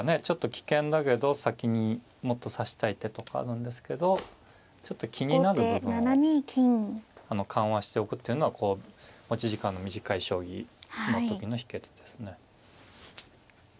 ちょっと危険だけど先にもっと指したい手とかあるんですけどちょっと気になる部分を緩和しておくっていうのはこう持ち時間の短い将棋の時の秘けつですね。